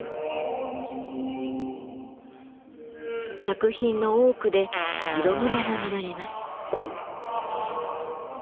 作品の多くで色むらが見られます。